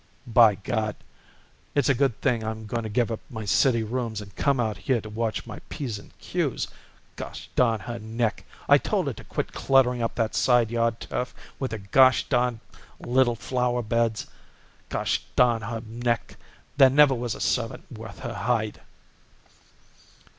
"By Gad! it's a good thing I'm going to give up my city rooms and come out here to watch my p's and q's. Gosh darn her neck! I told her to quit cluttering up that side yard turf with her gosh darn little flower beds! Gosh darn her neck! There never was a servant worth her hide."